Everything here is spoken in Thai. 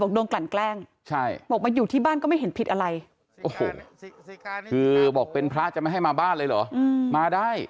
เวลามาค้างที่บ้านครับมีใครอยู่ในบ้านบ้าง